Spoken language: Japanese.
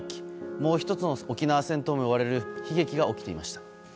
もうひとつの沖縄戦ともいわれる悲劇が起きていました。